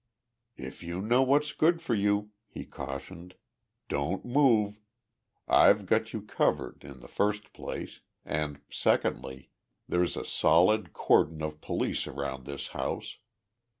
"If you know what's good for you," he cautioned, "don't move! I've got you covered, in the first place, and, secondly, there's a solid cordon of police around this house!